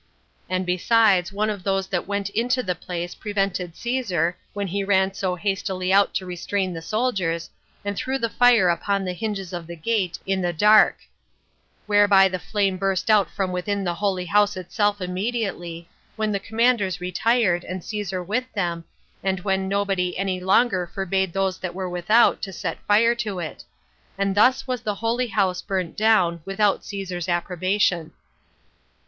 And besides, one of those that went into the place prevented Caesar, when he ran so hastily out to restrain the soldiers, and threw the fire upon the hinges of the gate, in the dark; whereby the flame burst out from within the holy house itself immediately, when the commanders retired, and Caesar with them, and when nobody any longer forbade those that were without to set fire to it. And thus was the holy house burnt down, without Caesar's approbation.